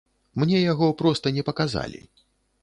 Мне яго проста не паказалі.